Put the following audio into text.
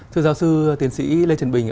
thưa giáo sư tiến sĩ lê trần bình